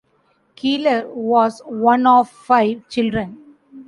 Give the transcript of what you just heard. Keeler was one of five children.